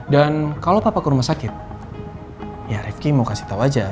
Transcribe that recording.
dan kalau papa ke rumah sakit ya rifki mau kasih tau aja